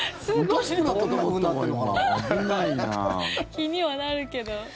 気にはなるけど。